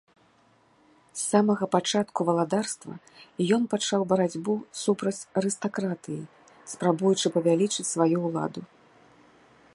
З самага пачатку валадарства, ён пачаў барацьбу супраць арыстакратыі, спрабуючы павялічыць сваю ўладу.